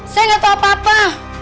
saya gak tahu apa apa